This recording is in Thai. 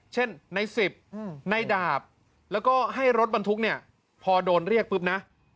เช่นใน๑๐ในดาบแล้วก็ให้รถบรรทุกเนี่ยพอโดนเรียกปุ๊บนะ